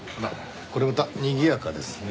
これまたにぎやかですね。